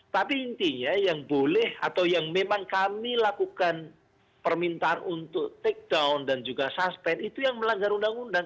tapi intinya yang boleh atau yang memang kami lakukan permintaan untuk take down dan juga suspend itu yang melanggar undang undang